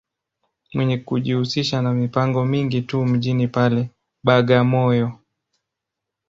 Mwenye kujihusisha ma mipango mingi tu mjini pale, Bagamoyo.